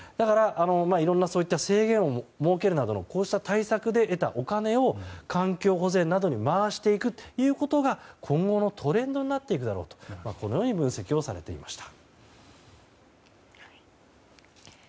いろんな制限を設けるなどのこうした対策で得たお金を環境保全などに回していくということが今後のトレンドになっていくだろうとこのように分析をされていました。